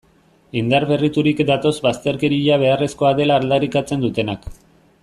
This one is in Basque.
Indar berriturik datoz bazterkeria beharrezkoa dela aldarrikatzen dutenak.